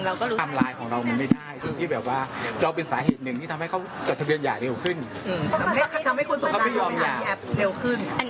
เราก็รู้สึกว่าเราเป็นสาเหตุหนึ่งที่ทำให้เขากดทะเบียนยาเร็วขึ้น